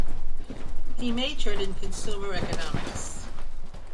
He majored in consumer economics.